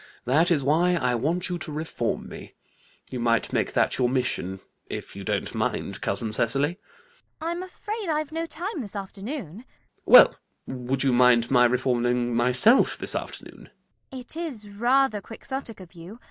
That is why I want you to reform me. You might make that your mission, if you don't mind, cousin Cecily. CECILY. I'm afraid I've no time, this afternoon. ALGERNON. Well, would you mind my reforming myself this afternoon? CECILY. It is rather Quixotic of you.